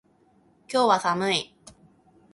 今日は寒い。